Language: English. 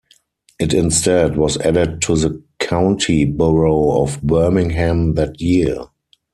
It instead was added to the county borough of Birmingham that year.